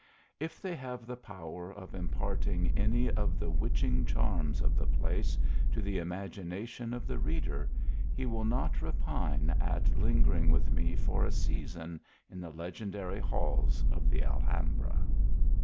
If they have the power of im parting any of the witching charms of the place to the imagination of the reader, he will not repine at lingering with me for a season in the legendary halls of the Alhambra.